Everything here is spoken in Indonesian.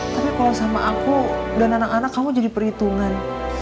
tapi kalau sama aku dan anak anak kamu jadi perhitungan